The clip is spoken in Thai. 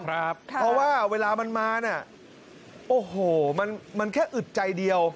เพราะว่าเวลามันมาเนี่ยโอ้โหมันแค่อึดใจเดียว